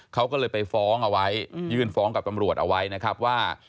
เขาก็เลยไปฟ้องเอาไว้ยื่นฟ้องกับตำรวจเอาไว้นะครับว่า